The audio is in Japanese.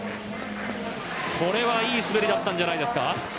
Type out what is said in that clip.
これはいい滑りだったんじゃないですか。